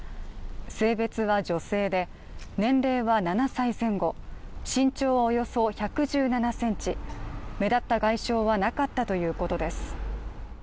性別は女性で、年齢は７歳前後身長はおよそ１１７ｃｍ、目立った外傷はなかったということです。